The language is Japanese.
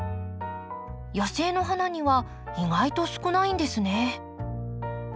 野生の花には意外と少ないんですね。